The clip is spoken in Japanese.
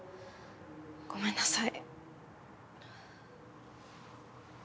ごめんなさい。